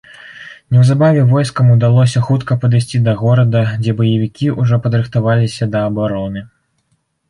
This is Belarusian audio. Неўзабаве войскам удалося хутка падысці да горада, дзе баевікі ўжо падрыхтаваліся да абароны.